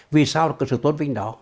vì sao có sự tốt vinh đó